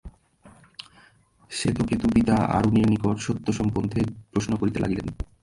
শ্বেতকেতু পিতা আরুণির নিকট সত্য সম্বন্ধে প্রশ্ন করিতে লাগিলেন।